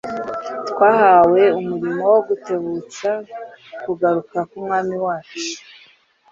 twahawe umurimo wo gutebutsa kugaruka k'Umwami wacu.